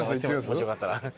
もしよかったら。